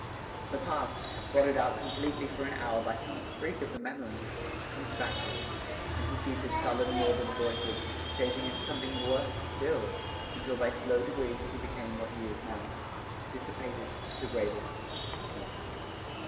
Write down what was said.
The past, blotted out completely for an hour by some freak of the memory, comes back to him, and he sees his sullen, morbid boyhood changing into something worse still, until by slow degrees he became what he is now dissipated, degraded, lost.